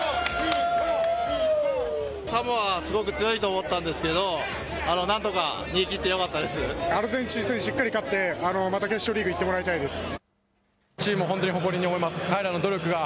サモアはすごく強いと思ったんですけど、アルゼンチン戦、しっかり勝って、また決勝リーグ行ってもらいたいです。